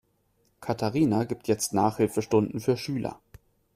Katharina gibt jetzt Nachhilfestunden für Schüler.